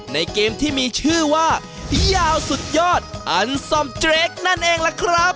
ในเกมที่มีชื่อว่ายาวสุดยอดอันซอมเจรคนั่นเองล่ะครับ